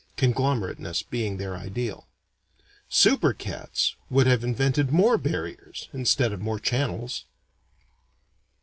(Conglomerateness being their ideal.) Super cats would have invented more barriers instead of more channels.